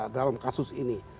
dalam kasus ini